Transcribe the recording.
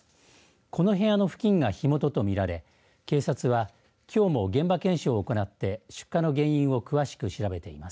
この部屋の付近が火元とみられ警察はきょうも現場検証を行って出火の原因を詳しく調べています。